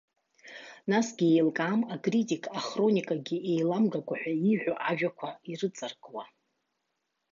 Насгьы еилкаам акритик ахроникагьы еиламгакәа ҳәа ииҳәо ажәақәа ирыҵаркуа.